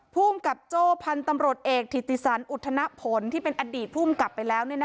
ภูมิกับโจ้พันธุ์ตำรวจเอกถิติสันอุทธนผลที่เป็นอดีตภูมิกับไปแล้ว